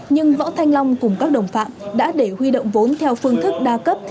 nhưng võ thanh long cùng các đồng phạm đã để huy động vốn theo phương thức đa cấp